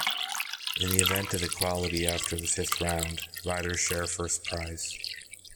In the event of equality after the fifth round, riders share first prize.